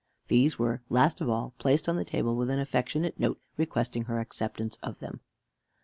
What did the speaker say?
These were, last of all, placed on the table with an affectionate note, requesting her acceptance of them.